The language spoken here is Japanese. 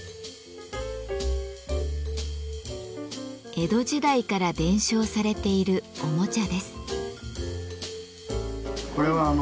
江戸時代から伝承されているおもちゃです。